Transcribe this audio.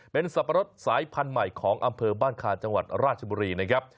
เป็นสับปะรดสายพันธุ์ใหม่ของอำเภอบ้านคาจังหวัดราชบุรีนะครับ